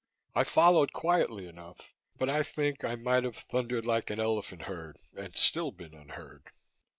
I followed quietly enough, but I think I might have thundered like an elephant herd and still been unheard.